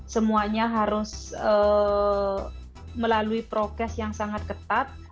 semuanya harus melalui prokes yang sangat ketat